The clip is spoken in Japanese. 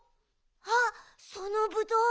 あっそのぶどう！